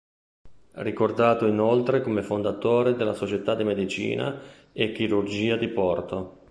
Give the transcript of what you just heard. Ricordato inoltre come fondatore della Società di Medicina e Chirurgia di Porto.